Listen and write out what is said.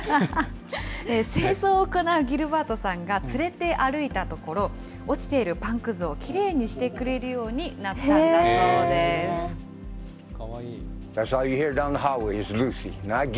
清掃を行うギルバートさんが連れて歩いたところ、落ちているパンくずをきれいにしてくれるようになったんだそうでかわいい。